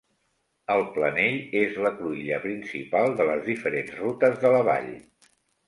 El planell és la cruïlla principal de les diferents rutes de la Vall.